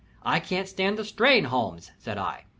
"I can't stand the strain, Holmes," said I.